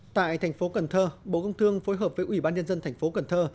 tại thành phố cần thơ bộ công thương phối hợp với ủy ban nhân dân thành phố cần thơ